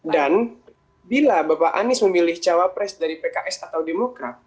dan bila bapak anies memilih capapres dari pks atau demokra